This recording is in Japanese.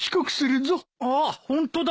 あっホントだ。